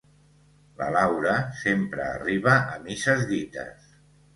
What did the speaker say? La Laura sempre arriba a misses dites.